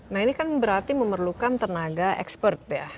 nah ini kan berarti memerlukan tenaga ekspert ya